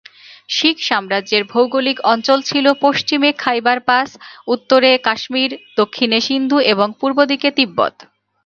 শিখ সাম্রাজ্যের ভৌগোলিক অঞ্চল ছিল পশ্চিমে খাইবার পাস, উত্তরে কাশ্মীর, দক্ষিণে সিন্ধু এবং পূর্বদিকে তিব্বত।